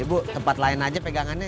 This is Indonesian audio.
ibu tempat lain aja pegangannya